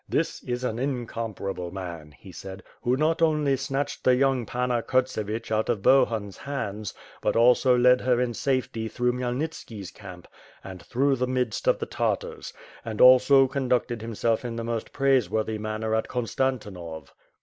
"This is an incomparable man," he said, "who not only snatched the young Panna Kurtsevich out of Bohun's hands, but also led her in safety through Khmyelnitski's camp, and through the midst of the Tartars; and also conducted himself in the most praiseworthy manner at Konstantinov."